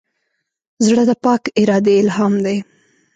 زړه د پاک ارادې الهام دی.